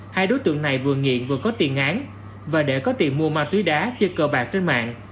hai đối tượng này vừa nghiện vừa có tiền án và để có tiền mua ma túy đá chơi cờ bạc trên mạng